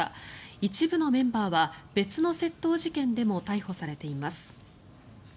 一部のメンバーは別の窃盗事件でも逮捕されています。